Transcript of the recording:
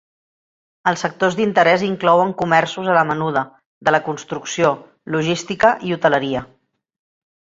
Els sectors d'interès inclouen comerços a la menuda, de la construcció, logística i hoteleria.